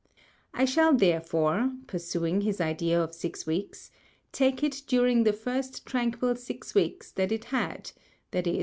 I shall therefore (pursuing his Idea of six Weeks) take it during the first tranquil six Weeks that it had, viz.